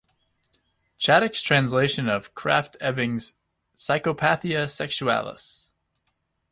Chaddock's translation of Krafft-Ebing's "Psychopathia Sexualis".